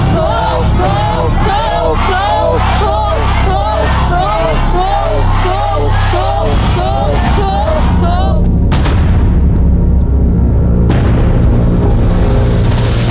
ถูก